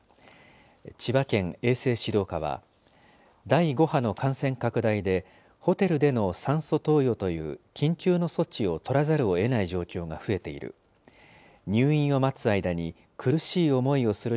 千葉県衛生指導課は、第５波の感染拡大でホテルでの酸素投与という、緊急の措置を取らざるをえない状況が増えている。